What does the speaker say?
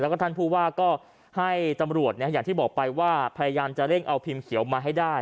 แล้วก็ท่านผู้ว่าก็ให้ตำรวจอย่างที่บอกไปว่าพยายามจะเร่งเอาพิมพ์เขียวมาให้ได้